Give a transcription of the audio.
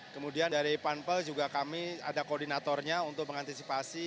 kemudian dari panpel juga kami ada koordinatornya untuk mengantisipasi